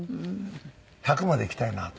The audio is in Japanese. １００まで生きたいなと。